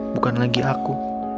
bukan lagi aku